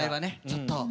ちょっと。